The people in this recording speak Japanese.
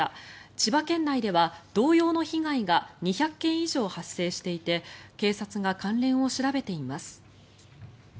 千葉県内では同様の被害が２００件以上発生していて警察が関連を調べています。